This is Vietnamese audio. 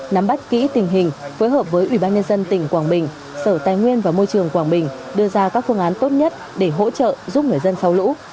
nắm bắt kỹ tình hình phối hợp với ủy ban nhân dân tỉnh quảng bình sở tài nguyên và môi trường quảng bình đưa ra các phương án tốt nhất để hỗ trợ giúp người dân sau lũ